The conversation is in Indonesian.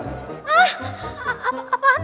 hah apaan lagi pak